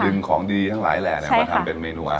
ของดีทั้งหลายแหล่มาทำเป็นเมนู